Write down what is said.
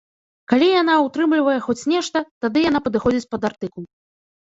Калі яна ўтрымлівае хоць нешта, тады яна падыходзіць пад артыкул.